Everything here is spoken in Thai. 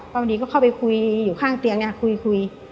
ป้าบันดีก็เข้าไปคุยอยู่ข้างเตียงนี้คุย